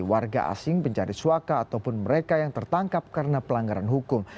warga asing pencari suaka ataupun mereka yang tertangkap karena pelanggaran hukum